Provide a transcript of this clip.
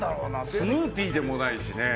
スヌーピーでもないし。